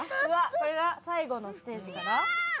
これが最後のステージかな？